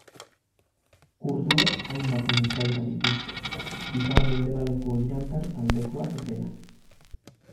Kurduek hainbat mintzaira dituzte, ipar-mendebaleko irandar taldekoak denak.